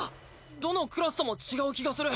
どのクラスとも違う気がする。